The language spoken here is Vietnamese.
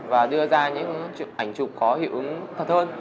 và đưa ra những ảnh chụp có hiệu ứng thật hơn